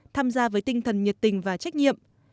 tham gia với tinh thần nhiệt tình và trách nhiệm